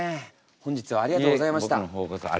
僕の方こそありがとうございました。